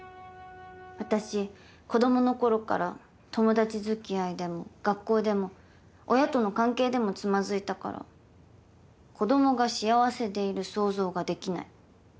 あたし子供のころから友達付き合いでも学校でも親との関係でもつまずいたから子供が幸せでいる想像ができない。